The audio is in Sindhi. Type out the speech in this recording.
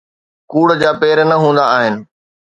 ڪوڙ جا پير نه هوندا آهن